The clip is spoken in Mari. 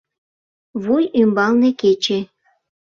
«Вуй ӱмбалне кече